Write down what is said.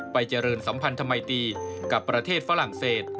เจริญสัมพันธมัยตีกับประเทศฝรั่งเศส